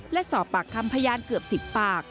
และสอบปากคำพยานเกือบ๑๐ปาก